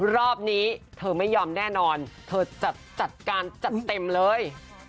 รอบนี้เธอไม่ยอมแน่นอนเธอจัดจัดการจัดเต็มเลย